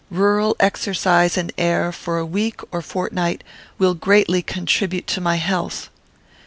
Rural exercise and air, for a week or fortnight, will greatly contribute to my health."